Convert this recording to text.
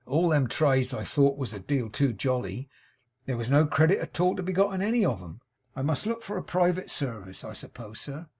All them trades I thought of was a deal too jolly; there was no credit at all to be got in any of 'em. I must look for a private service, I suppose, sir.